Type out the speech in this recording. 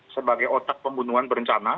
sebagai otak pembunuhan berencana